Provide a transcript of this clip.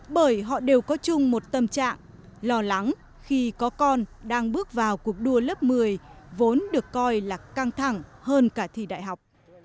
bởi họ đều có chung một tâm trạng lo lắng khi có con đang bước vào cuộc đua lớp một mươi vốn được coi là căng thẳng hơn cả thi đại học